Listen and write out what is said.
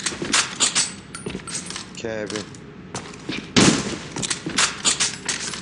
Öýkesi ýazylyp, kakamy bagyşlasa-da yzyna dolanyp gelmändir.